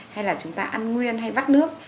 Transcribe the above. hay là chúng ta ăn nguyên hay vắt nước